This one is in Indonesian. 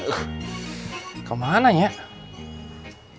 mau ke rumah bu groyola